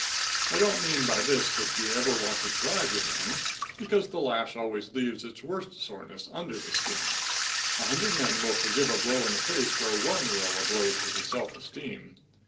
I don't mean by this that you ever want to drive your men, because the lash always leaves its worst soreness under the skin. A hundred men will forgive a blow in the face where one will a blow to his self esteem.